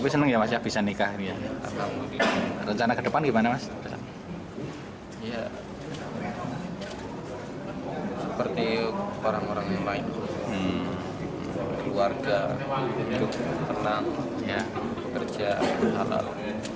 seperti orang orang lain keluarga hidup tenang kerja hal hal lain